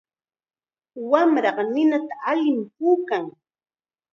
Wamraqa ninata allim puukan.